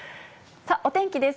お天気です。